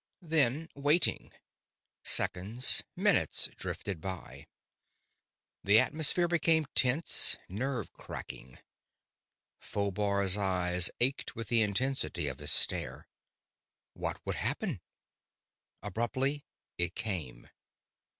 Then waiting. Seconds, minutes drifted by. The atmosphere became tense, nerve cracking. Phobar's eyes ached with the intensity of his stare. What would happen? Abruptly it came.